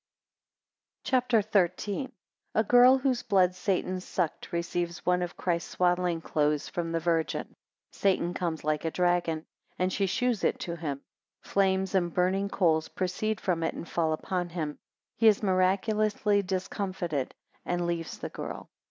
CHAPTER XIII. 1 A girl, whose blood Satan sucked receives one of Christ's swaddling clothes from the Virgin, 14 Satan comes like a dragon, and she shews it to him; flames and burning coals proceed from it and fall upon him; 19 he is miraculously discomfited, and leaves the girl.